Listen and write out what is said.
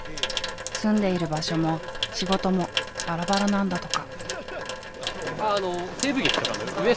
住んでいる場所も仕事もバラバラなんだとか。